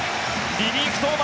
リリーフ登板